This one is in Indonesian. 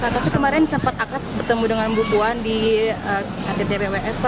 tapi kemarin cepat akrab bertemu dengan bu puan di rt dpws